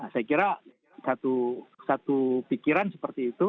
saya kira satu pikiran seperti itu